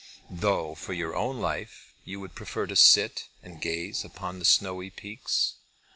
"Though, for your own life, you would prefer to sit and gaze upon the snowy peaks?"